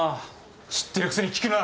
知ってるくせに聞くな。